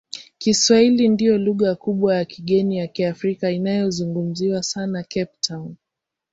Kiswahili ndiyo lugha kubwa ya kigeni ya Kiafrika inayozungumzwa sana Cape Town.